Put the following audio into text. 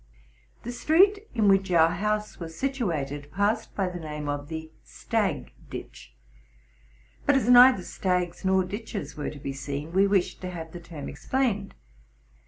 The street in which our house was situated passed by the name of the Stag Ditch; but, as neither stags nor ditches were to be seen, we wished tc have the term explained.